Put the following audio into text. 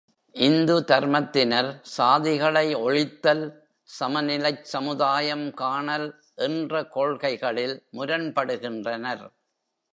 இந்து தர்மத்தினர் சாதிகளை ஒழித்தல், சமநிலைச் சமுதாயம் காணல் என்ற கொள்கைகளில் முரண்படுகின்றனர்.